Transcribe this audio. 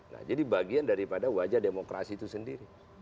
nah jadi bagian daripada wajah demokrasi itu sendiri